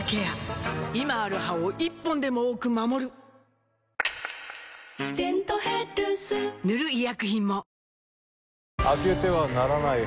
今ある歯を１本でも多く守る「デントヘルス」塗る医薬品も